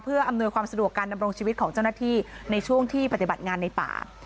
เพื่ออำนวยความสะดวกการดำรงชีวิตของเจ้าหน้าที่ในช่วงที่ปฏิบัติงานในป่า